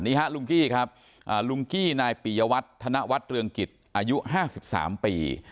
ลุงกี้ครับลุงกี้นายปียวัตรธนวัฒน์เรืองกิจอายุ๕๓ปี